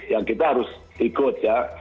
ya kita harus ikut ya